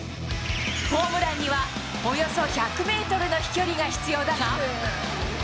ホームランにはおよそ１００メートルの飛距離が必要だが。